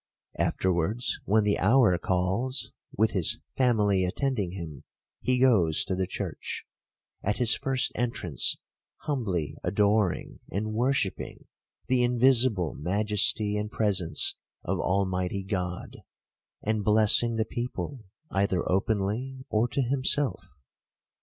Afterwards, when the hour calls, with his family attending him, he goes to the church ; at his first entrance humbly adoring and worshipping the invisible majesty and presence of Almighty God, and blessing the people, either openly, or to himself.